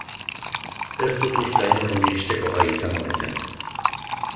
Ez dut uste hain urrun iristeko gai izango naizen.